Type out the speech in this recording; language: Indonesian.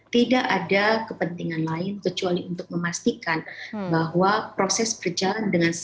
tidak ada kepentingan lain kecuali untuk memastikan bahwa proses berjalan dengan baik